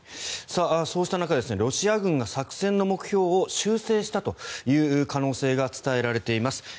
そうした中、ロシア軍が作戦の目標を修正したという可能性が伝えられています。